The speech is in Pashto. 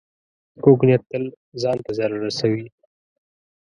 کوږ نیت تل ځان ته ضرر رسوي